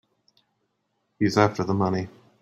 He's after the money.